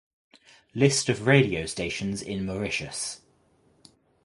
List of radio stations in Mauritius